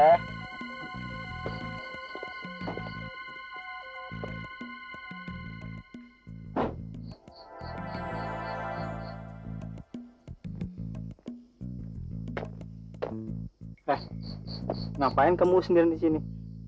eh kenapa kamu sendiri di sini